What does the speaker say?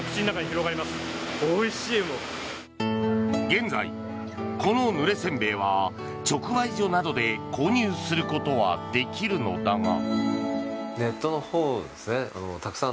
現在、このぬれ煎餅は直売所などで購入することはできるのだが。